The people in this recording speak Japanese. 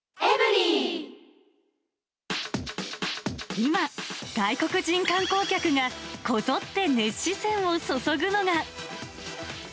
今、外国人観光客がこぞって熱視線を注ぐのが。